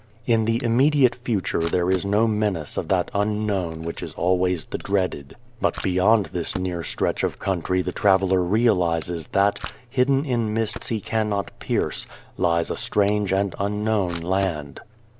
In the immediate future there is no menace of that Unknown which is always the dreaded. But beyond this near stretch of country the traveller realises that hidden in mists he cannot pierce lies a strange and unknown land.